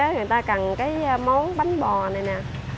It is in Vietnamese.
người ta cần cái món bánh bò này nè